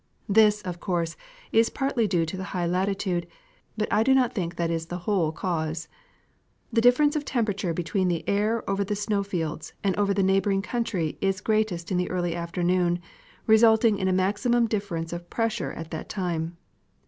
This, of course, is partly due to the high latitude, but I do not think that is the whole cause. The difference of temperature between the air over the snow fields and over the neighboring country is greatest in the early after noon, resulting in a maximum difference of pressure at that time.